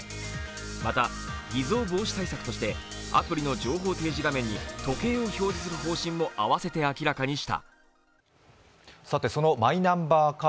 また偽造防止対策としてアプリ情報提示画面に時計を表示する方針も併せて明らかにした。